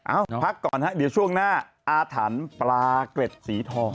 เอ้าพักก่อนครับเดี๋ยวช่วงหน้าอาถรรพราเกร็ดสีทอง